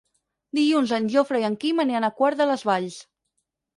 Dilluns en Jofre i en Quim aniran a Quart de les Valls.